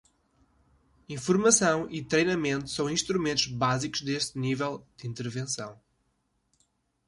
Informação e treinamento são instrumentos básicos desse nível de intervenção.